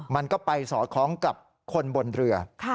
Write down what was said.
มันก็ไปสอดคล้องกับคนบนเรือ